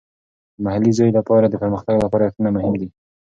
د محلي زوی لپاره د پرمختګ لپاره یادښتونه مهم دي.